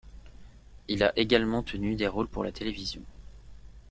Il a également tenu des rôles pour la télévision.